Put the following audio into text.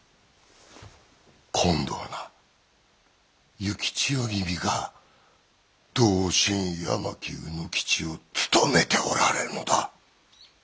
今度はな幸千代君が同心八巻卯之吉を務めておられるのだ。